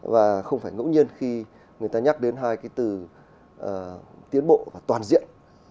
và không phải ngẫu nhiên khi người ta nhắc đến hai cái từ tiến bộ và toàn diện